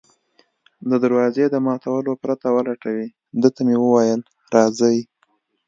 د دروازې د ماتولو پرته ولټوي، ده ته مې وویل: راځئ.